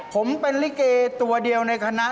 ผมเป็นลิเกตัวเดียวในคณะ